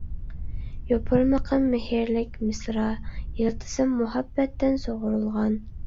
يوپۇرمىقىم مېھىرلىك مىسرا، يىلتىزىم مۇھەببەتتىن سۇغۇرۇلغان.